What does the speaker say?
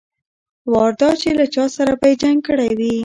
وار دا چې له چا سره به يې جنګ کړى وي.